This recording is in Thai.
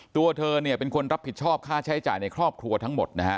ตัวเธอเนี่ยเป็นคนรับผิดชอบค่าใช้จ่ายในครอบครัวทั้งหมดนะฮะ